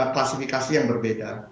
klasifikasi yang berbeda